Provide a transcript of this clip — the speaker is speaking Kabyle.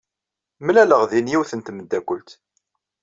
Mlaleɣ din yiwet n temdakelt.